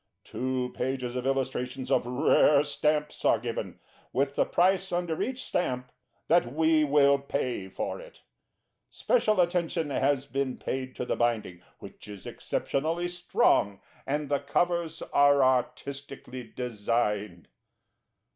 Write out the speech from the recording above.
Two pages of illustrations of rare stamps are given, with the price under each stamp that we will pay for it. Special attention has been paid to the binding, which is exceptionally strong, and the covers are artistically designed.